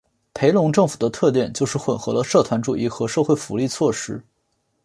裴隆政府的特点就是混合了社团主义和社会福利措施。